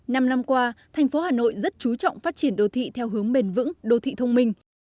năm năm qua thành phố hà nội rất chú trọng phát triển đô thị theo hướng bền vững đô thị thông minh